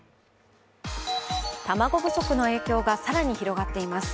卵不足の影響が更に広がっています。